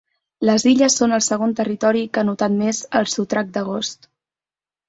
Les Illes són el segon territori que ha notat més el sotrac d’agost.